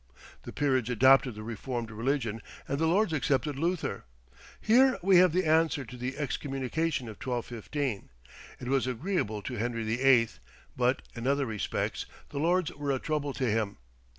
The peerage adopted the reformed religion, and the Lords accepted Luther. Here we have the answer to the excommunication of 1215. It was agreeable to Henry VIII.; but, in other respects, the Lords were a trouble to him.